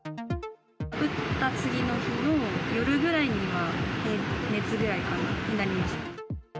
打った次の日の夜くらいには平熱ぐらいになりました。